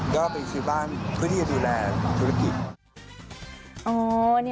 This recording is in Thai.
ก็ไปซื้อบ้านเพื่อที่จะดูแลธุรกิจ